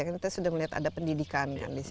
kita sudah melihat ada pendidikan kan di situ